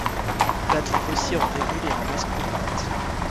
On la trouve aussi en veinules et en masses compactes.